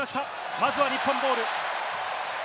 まずは日本ボール。